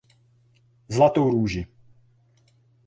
Zlatou růži.